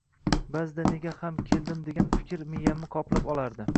Ba`zida nega ham keldim degan fikrlar miyamni qoplab olardi